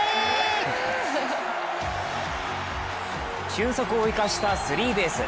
俊足を生かしたスリーベース。